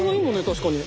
確かに。